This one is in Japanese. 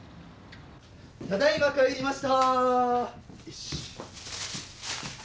ただいま帰りました！